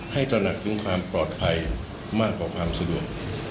ตระหนักถึงความปลอดภัยมากกว่าความสะดวก